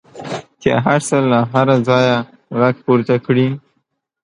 چې هر څه له هره ځایه غږ پورته کړي.